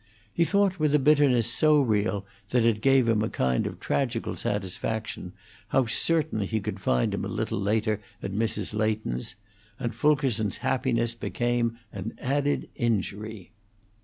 He thought, with bitterness so real that it gave him a kind of tragical satisfaction, how certainly he could find him a little later at Mrs. Leighton's; and Fulkerson's happiness became an added injury.